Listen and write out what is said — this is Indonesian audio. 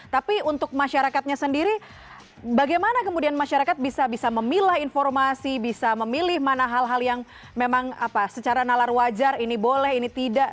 tapi untuk masyarakatnya sendiri bagaimana kemudian masyarakat bisa memilah informasi bisa memilih mana hal hal yang memang secara nalar wajar ini boleh ini tidak